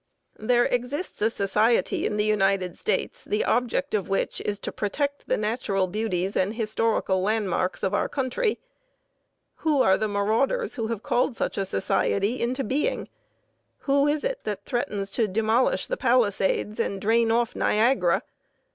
There exists a society in the United States the object of which is to protect the natural beauties and historical landmarks of our country. Who are the marauders who have called such a society into being? Who is it that threatens to demolish the Palisades and drain off Niagara?